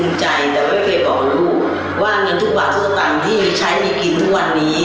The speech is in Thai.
ว่าเงินทุกบาททุกต่างที่ใช้ให้กินทุกวันนี้